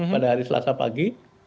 pada hari selasa pagi